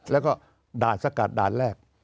แล้วก็ด่านสกัดด่านแรก